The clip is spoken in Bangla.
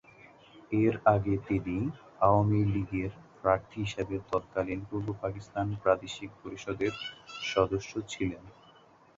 এর আগে তিনি আওয়ামী লীগের প্রার্থী হিসেবে তৎকালীন পূর্বপাকিস্তান প্রাদেশিক পরিষদের সদস্য ছিলেন।